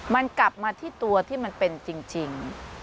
มันกลับมาที่ตัวที่มันเป็นจริง